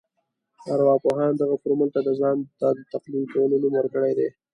ارواپوهانو دغه فورمول ته د ځان ته د تلقين کولو نوم ورکړی دی.